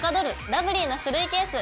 ラブリーな書類ケース」